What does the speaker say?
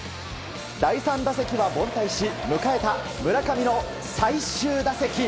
第３打席は凡退し迎えた村上の最終打席。